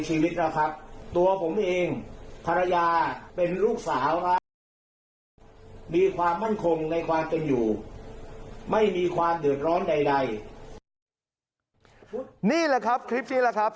นี่แหละครับคลิปนี้แหละครับ